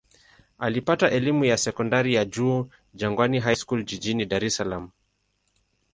Alipata elimu ya sekondari ya juu Jangwani High School jijini Dar es Salaam.